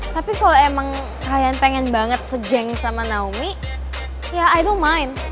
tapi kalo emang kalian pengen banget se geng sama naomi ya i don't mind